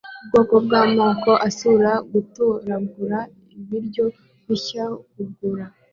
Ubwoko bwamoko asura gutoragura ibiryo bishya kugura